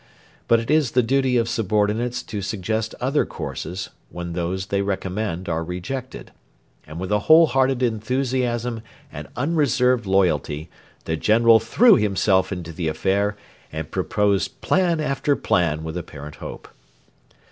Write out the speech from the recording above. But it is the duty of subordinates to suggest other courses when those they recommend are rejected; and with a whole hearted enthusiasm and unreserved loyalty the General threw himself into the affair and proposed plan after plan with apparent hope.